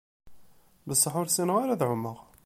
Besseḥ ur ssineγ ara ad εummeγ.